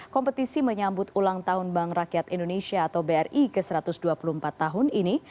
kompetisi menyambut ulang tahun bank rakyat indonesia atau bri ke satu ratus dua puluh empat tahun ini